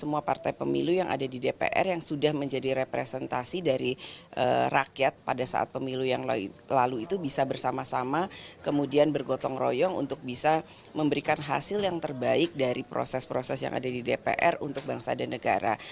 semua partai pemilu yang ada di dpr yang sudah menjadi representasi dari rakyat pada saat pemilu yang lalu itu bisa bersama sama kemudian bergotong royong untuk bisa memberikan hasil yang terbaik dari proses proses yang ada di dpr untuk bangsa dan negara